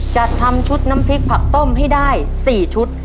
จัดทำชุดน้ำพริกผักต้มให้ได้๔ชุด